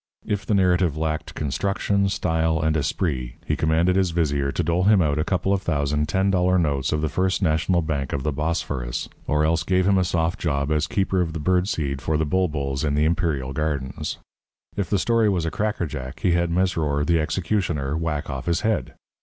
If the narrative lacked construction, style, and esprit he commanded his vizier to dole him out a couple of thousand ten dollar notes of the First National Bank of the Bosphorus, or else gave him a soft job as Keeper of the Bird Seed for the Bulbuls in the Imperial Gardens. If the story was a cracker jack, he had Mesrour, the executioner, whack off his head.